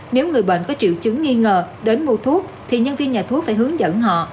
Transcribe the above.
nếu người bệnh có triệu chứng nghi ngờ đến mua thuốc thì nhân viên nhà thuốc phải hướng dẫn họ